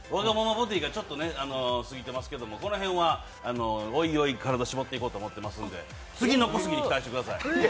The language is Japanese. ボディがちょっと過ぎてますけど、この辺はおいおい、体を絞っていきたいと思っていますんで次の小杉に期待してください。